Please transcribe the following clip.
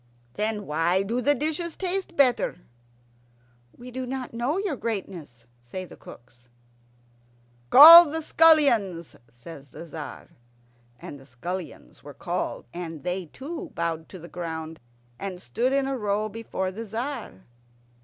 "Then why do the dishes taste better?" "We do not know, your greatness," say the cooks. "Call the scullions," says the Tzar. And the scullions were called, and they too bowed to the ground, and stood in a row before the Tzar.